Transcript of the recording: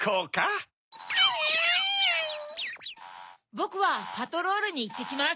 ぼくはパトロールにいってきます。